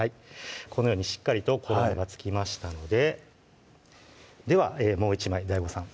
このようにしっかりと衣が付きましたのでではもう１枚ＤＡＩＧＯさん